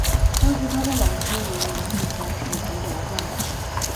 当时他的老师为林立三以及罗冠兰。